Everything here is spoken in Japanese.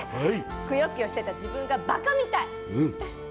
くよくよしてた自分がばかみたい。